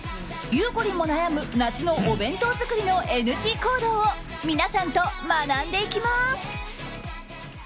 ゆうこりんも悩む夏のお弁当作りのＮＧ行動を皆さんと学んでいきます。